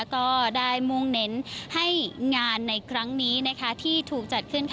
ก็ได้มุ่งเน้นให้งานในครั้งนี้ที่ถูกจัดขึ้น